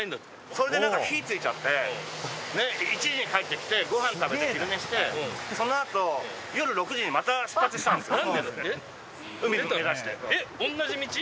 それでなんか火ついちゃって、１時に帰ってきてごはん食べて、昼寝して、そのあと、夜６時にまた出発したんですよ。